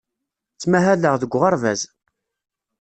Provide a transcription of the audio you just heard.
Ttmahaleɣ deg uɣerbaz.